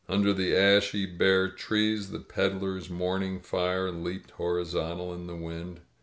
Under the ashy bare trees the ped dlers' morning fire leaped horizontal in the wind.